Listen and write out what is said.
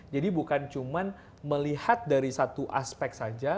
jadi bukan cuma melihat dari satu aspek saja